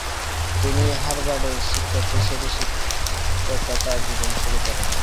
তিনি হার্ভার্ডের শিক্ষক হিসেবে শিক্ষকতা জীবন শুরু করেন।